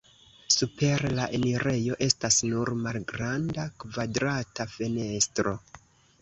Super la enirejo estas nur malgranda kvadrata fenestro.